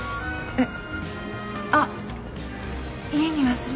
えっ。